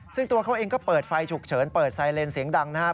ซึ่งตัวเขาเองก็เปิดไฟฉุกเฉินเปิดไซเลนเสียงดังนะครับ